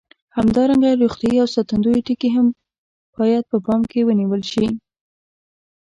همدارنګه روغتیایي او ساتندوي ټکي هم باید په پام کې ونیول شي.